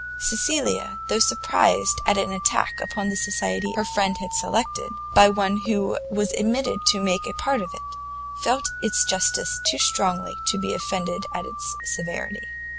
Cecilia, though surprised at an attack upon the society her friend had selected, by one who was admitted to make a part of it, felt its justice too strongly to be offended at its severity.